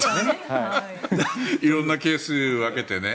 色んなケースに分けて。